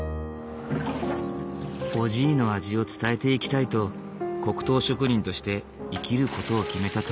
おじいの味を伝えていきたいと黒糖職人として生きる事を決めた渡久地さん。